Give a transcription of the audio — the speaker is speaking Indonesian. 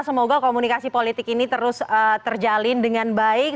semoga komunikasi politik ini terus terjalin dengan baik